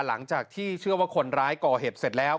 หลังจากที่เชื่อว่าคนร้ายก่อเหตุเสร็จแล้ว